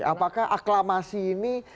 apakah aklamasi ini